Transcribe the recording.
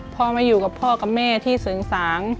พ่อมาอยู่กับพ่อกับแม่ที่เสริงสาง